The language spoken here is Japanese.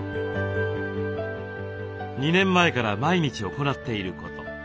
２年前から毎日行っていること。